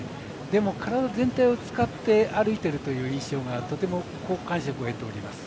でも、体全体を使って歩いている印象がとても好感触を得ております。